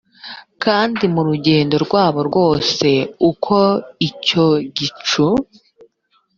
kandi mu rugendo rwabo rwose uko icyo gicu